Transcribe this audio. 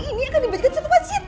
ini akan dibacakan surat wasiat